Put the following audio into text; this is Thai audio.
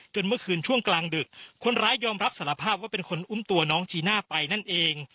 เมื่อคืนช่วงกลางดึกคนร้ายยอมรับสารภาพว่าเป็นคนอุ้มตัวน้องจีน่าไปนั่นเอง